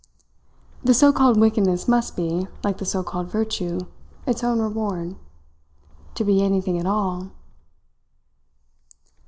The so called wickedness must be, like the so called virtue, its own reward to be anything at all